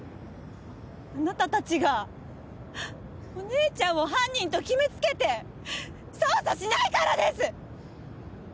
あなた達がお姉ちゃんを犯人と決めつけて捜査しないからです！